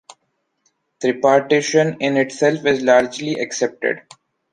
Tripartition, in itself, is largely accepted.